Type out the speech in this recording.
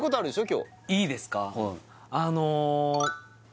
今日いいですか？